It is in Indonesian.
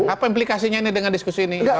apa implikasinya ini dengan diskusi ini